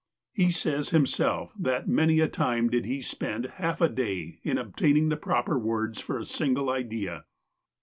He says himself that many a time did he spend half a day in obtaining the proper words for a single idea.